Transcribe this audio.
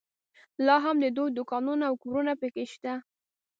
لا هم د دوی دوکانونه او کورونه په کې شته.